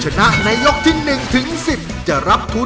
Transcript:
จะรับทุนนำเงินของทีมเด็กเสียงดีประจำชุมชน